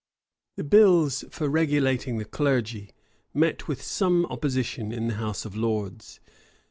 The bills for regulating the clergy met with some opposition in the house of lords.